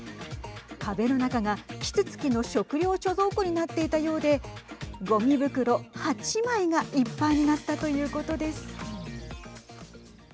壁の中が、きつつきの食料貯蔵庫になっていたようでごみ袋８枚がいっぱいになったということです。